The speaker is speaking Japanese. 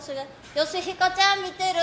ヨシヒコちゃん、見てる？